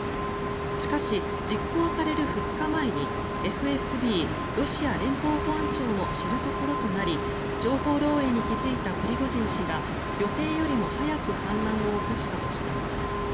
しかし、実行される２日前にＦＳＢ・ロシア連邦保安庁の知るところとなり情報漏えいに気付いたプリゴジン氏が予定よりも早く反乱を起こしたとしています。